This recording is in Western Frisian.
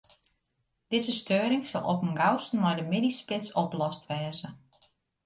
Dizze steuring sil op 'en gausten nei de middeisspits oplost wêze.